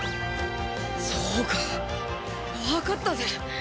そうかわかったぜ。